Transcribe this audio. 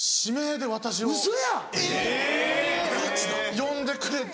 呼んでくれて。